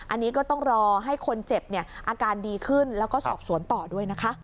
อันนี้ก็ต้องรอให้คนเจ็บเนี่ยอาการดีขึ้นแล้วก็สอบสวนต่อด้วยนะคะ